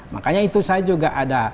makanya itu saya juga ada